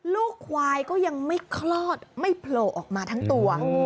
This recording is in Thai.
ลูกควายก็ยังไม่คลอดไม่โผล่ออกมาทั้งตัว